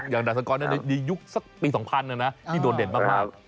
อย่างดัชกรในยุคสักปี๒๐๐๐นี่โดนเด่นมาก